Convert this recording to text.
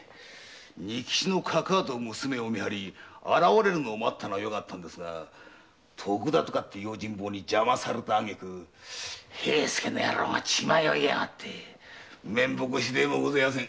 仁吉の家族を見張り現れるのを待ったのはよかったんですが徳田って用心棒に邪魔された挙句平助が血迷いやがって面目しだいもこざいません。